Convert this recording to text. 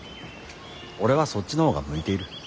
俺はそっちの方が向いている。